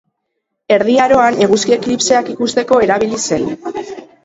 Erdi Aroan eguzki eklipseak ikusteko erabili zen.